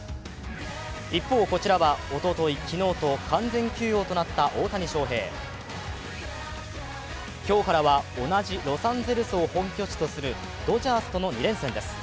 一方こちらはおととい、昨日と完全休養となった大谷翔平。今日からは同じロサンゼルスを本拠地とするドジャースとの２連戦です。